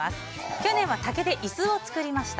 去年は竹で椅子を作りました。